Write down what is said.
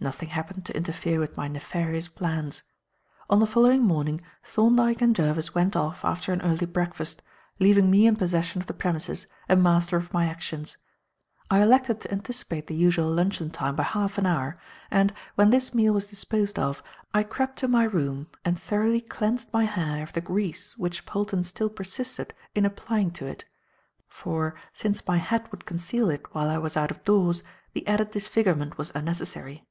Nothing happened to interfere with my nefarious plans. On the following morning, Thorndyke and Jervis went off after an early breakfast, leaving me in possession of the premises and master of my actions. I elected to anticipate the usual luncheon time by half an hour, and, when this meal was disposed of, I crept to my room and thoroughly cleansed my hair of the grease which Polton still persisted in applying to it; for, since my hat would conceal it while I was out of doors, the added disfigurement was unnecessary.